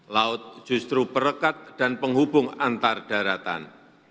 laut justru perekat dan penghubung antar daratan